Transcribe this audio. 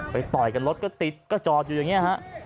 ต่อยกันรถก็ติดก็จอดอยู่อย่างนี้ฮะ